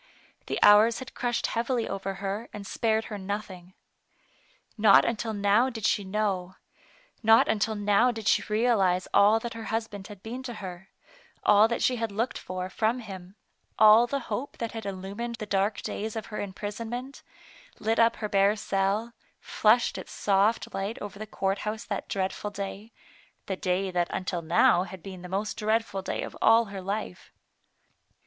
The hours had crushed heavily over her, and spared her nothing. Not until now did she know, not until now did she realize all that her husband had Digitized by Google PRAr^K DANE V. T4S been to her, all that she had looked for from him, all the hope that had illumined the dark days of her imprisonment, lit up her bare cell, flushed its soft light over the court house that dreadful day, the day that until now had been the most dread ful day of all her life.